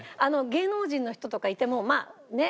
芸能人の人とかいてもまあね